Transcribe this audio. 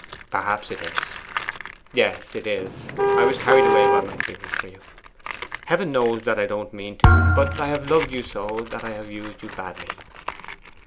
'Perhaps it is. Yes, it is. I was carried away by my feeling for you. Heaven knows that I didn't mean to; but I have loved you so that I have used you badly.